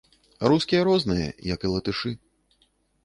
Рускія розныя, як і латышы.